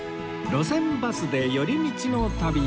『路線バスで寄り道の旅』